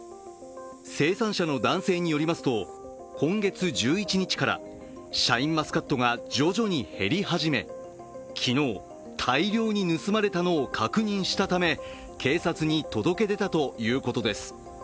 生産者の男性によりますと、今月１１日からシャインマスカットが徐々に減り始め、昨日、大量に盗まれたのを確認したため警察に届け出たということです。